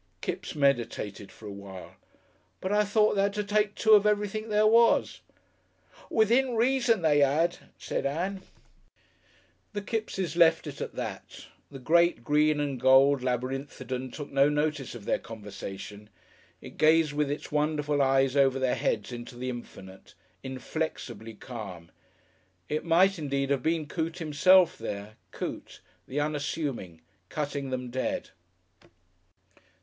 Kipps meditated for a while. "But I thought they had to take two of everything there was " "Within reason they 'ad," said Ann.... The Kippses left it at that. The great green and gold Labyrinthodon took no notice of their conversation. It gazed with its wonderful eyes over their heads into the infinite inflexibly calm. It might indeed have been Coote himself there, Coote, the unassuming, cutting them dead....